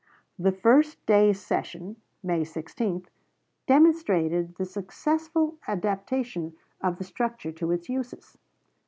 The first day's session (May 16) demonstrated the successful adaptation of the structure to its uses.